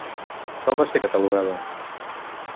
Com va ser catalogada?